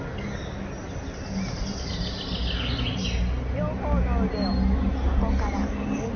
両方の腕を横から上に。